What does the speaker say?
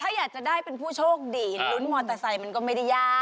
แต่ถ้าอยากจะได้เป็นผู้โชคดีล้นหมอไซค์นี่ก็ไม่ได้ยาก